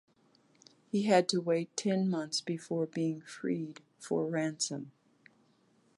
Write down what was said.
He had to wait ten months before being freed for ransom.